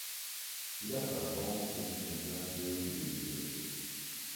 Il a sa tombe au cimetière de Béziey.